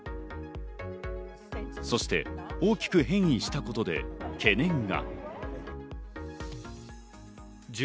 そして大きく変異したことで懸念が。